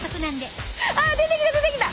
あ出てきた出てきた！